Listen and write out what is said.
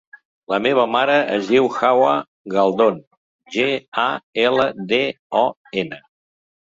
La meva mare es diu Hawa Galdon: ge, a, ela, de, o, ena.